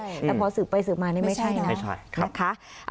แต่พอสืบไปสืบมานี่ไม่ใช่นะ